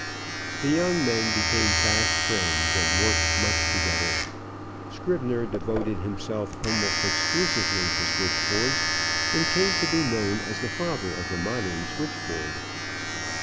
The young men became fast friends and worked much together. Scribner devoted himself almost exclusively to switchboards and came to be known as the father of the modern switchboard.